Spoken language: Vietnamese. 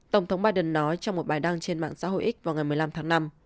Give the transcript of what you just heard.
tổng thống biden nói trong một bài đăng trên mạng xã hội x vào ngày một mươi năm tháng năm